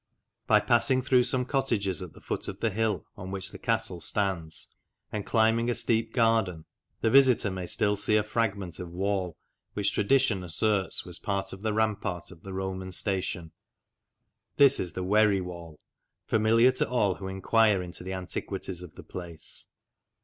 By passing through some cottages at the foot of the hill on which the castle stands, and climbing a steep garden, the visitor may still see a fragment of wall which tradition asserts was part of the rampart of the Roman station. This is the " Wery Wall," familiar to all who enquire into the antiquities of the place.